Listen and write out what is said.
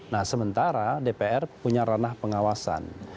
nah sementara dpr punya ranah pengawasan